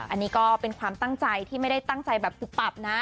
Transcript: อันนี้ก็เป็นความตั้งใจที่ไม่ได้ตั้งใจแบบปุบปับนะ